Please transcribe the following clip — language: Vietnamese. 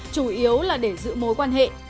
chủ yếu là để giữ mối quan hệ